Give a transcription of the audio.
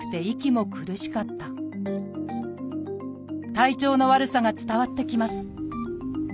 体調の悪さが伝わってきます